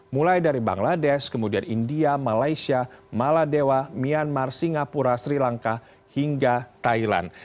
mulai dari bangladesh kemudian india malaysia maladewa myanmar singapura sri lanka hingga thailand